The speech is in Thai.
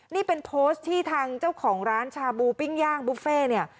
นี่เป็นโพสต์ที่ทางเจ้าของร้านชาบูปิ้งย่างบุฟเฟ่เนี่ย